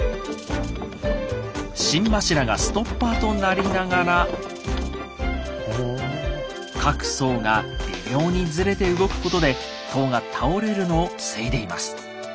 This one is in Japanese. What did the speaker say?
心柱がストッパーとなりながら各層が微妙にズレて動くことで塔が倒れるのを防いでいます。